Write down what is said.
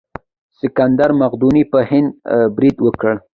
سکندر مقدوني په هند برید وکړ.